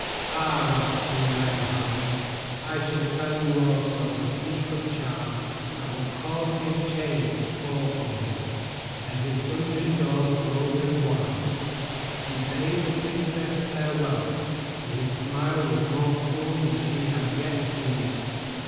"Ah," laughed King Ironheart, "I shall tell you also the secret charm that will cause his chains to fall from him and his dungeon doors to open wide." He bade the princess farewell, and his smile was more cruel than she had yet seen it.